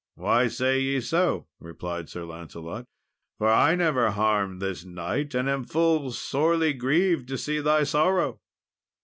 "Why say ye so?" replied Sir Lancelot; "for I never harmed this knight, and am full sorely grieved to see thy sorrow."